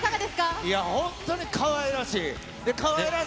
本当にかわいらしい。